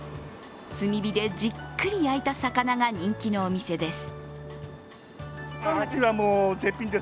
炭火でじっくり焼いた魚が人気のお店です。